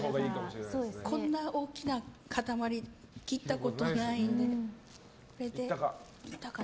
こんな大きな塊切ったことないので。